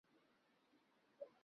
公司生产的产品